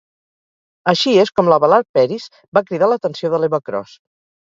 Així és com l'Abelard Peris va cridar l'atenció de l'Eva Cros.